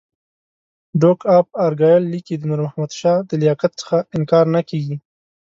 ډوک اف ارګایل لیکي د نور محمد شاه د لیاقت څخه انکار نه کېږي.